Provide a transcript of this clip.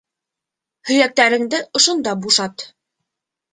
Һөйәктәреңде ошонда бушат.